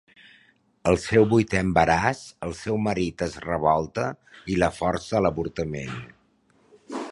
Al seu vuitè embaràs, el seu marit es revolta i la força a l'avortament.